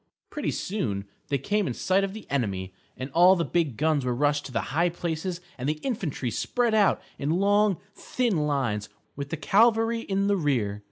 _ Pretty soon they came in sight of the enemy, and all the big guns were rushed to the high places and the infantry spread out in long, thin lines, with the cavalry in the rear.